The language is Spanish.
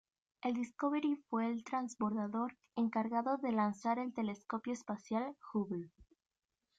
El Discovery fue el transbordador encargado de lanzar el telescopio espacial Hubble.